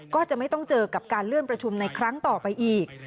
ก็จะไม่ต้องเจอกับการเลื่อนประชุมในครั้งต่อไปอีก